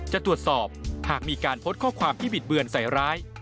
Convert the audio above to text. จะตรวจสอบหากมีการโพสต์ข้อความที่บิดเบือนใส่ร้าย